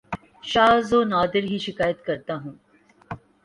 شاز و ناذر ہی شکایت کرتا ہوں